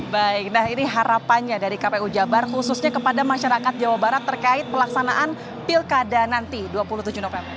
baik nah ini harapannya dari kpu jabar khususnya kepada masyarakat jawa barat terkait pelaksanaan pilkada nanti dua puluh tujuh november